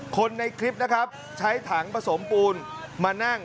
คนในคลิปนะครับใช้ถังผสมปูนมานั่ง